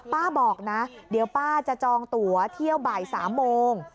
ป้าบอกนะเดี๋ยวป้าจะจองตัวเที่ยวบ่าย๓โมง